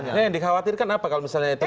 nah yang dikhawatirkan apa kalau misalnya itu